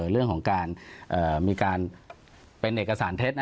เรื่องของการมีการเป็นเอกสารเท็จ